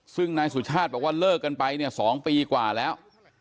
ซึ่งนายสุชาติบอกว่าเลิกกันไปเนี่ย๒ปีกว่าแล้ว